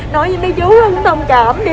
nói với mấy chú nó cũng thông cảm đi